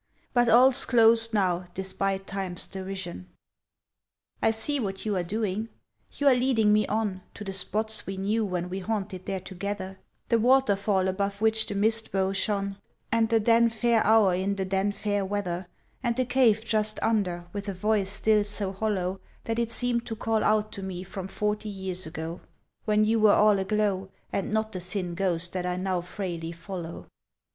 But all's closed now, despite Time's derision. I see what you are doing: you are leading me on To the spots we knew when we haunted here together, The waterfall, above which the mist bow shone At the then fair hour in the then fair weather, And the cave just under, with a voice still so hollow That it seems to call out to me from forty years ago, When you were all aglow, And not the thin ghost that I now frailly follow!